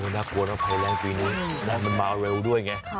น่ากลัวนะภัยแรงปีนี้น้ำมันมาเร็วด้วยไง